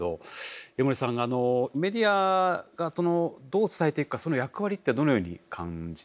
江守さんメディアがどう伝えていくかその役割ってどのように感じてらっしゃいますか？